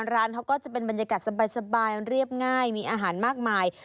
ร้านเขาก็จะเป็นบรรยากาศสบายเรียบง่ายมีอาหารมากมาย